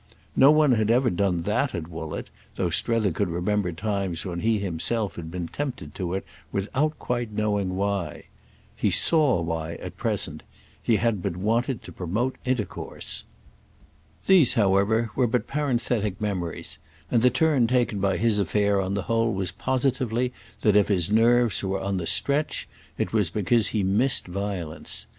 No one had ever done that at Woollett, though Strether could remember times when he himself had been tempted to it without quite knowing why. He saw why at present—he had but wanted to promote intercourse. These, however, were but parenthetic memories, and the turn taken by his affair on the whole was positively that if his nerves were on the stretch it was because he missed violence.